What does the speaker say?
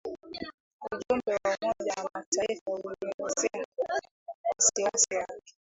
Ujumbe wa Umoja wa Mataifa ulielezea wasiwasi wake